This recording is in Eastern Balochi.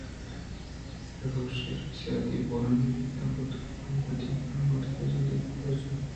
حر ءُ شِیر ءِ سیادی گوٛاہے مُریداں بُوتگ؟ ہم پَتّی پِیراں مردے زند ءِ گُڈّی روچاں اَت